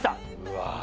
うわ。